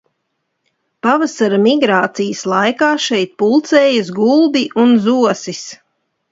Pavasara migrācijas laikā šeit pulcējas gulbji un zosis.